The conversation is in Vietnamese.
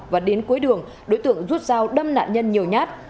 và đến cuối đường đối tượng rút dao đâm nạn nhân nhiều nhát